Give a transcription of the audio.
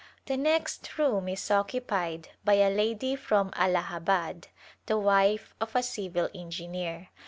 The next room is occupied by a lady from Allahabad, the wife of a civil engineer.